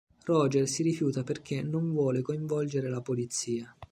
Roger si rifiuta perché non vuole coinvolgere la polizia.